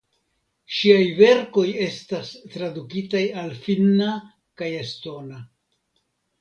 Ŝiaj verkoj estas tradukitaj al finna kaj estona.